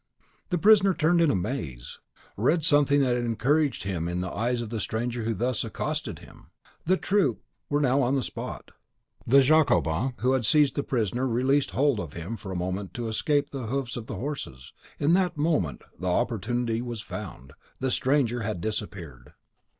The prisoner turned in amaze, read something that encouraged him in the eyes of the stranger who thus accosted him. The troop were now on the spot; the Jacobin who had seized the prisoner released hold of him for a moment to escape the hoofs of the horses: in that moment the opportunity was found, the stranger had disappeared.